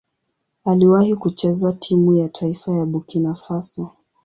Aliwahi kucheza timu ya taifa ya Burkina Faso.